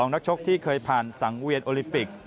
นักชกที่เคยผ่านสังเวียนโอลิปิก